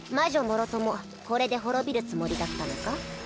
もろともこれで滅びるつもりだったのか？